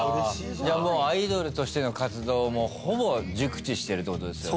じゃあもうアイドルとしての活動をもうほぼ熟知してるって事ですよね。